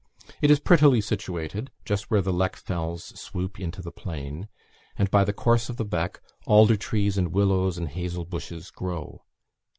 It is prettily situated; just where the Leck fells swoop into the plain; and by the course of the beck alder trees and willows and hazel bushes grow.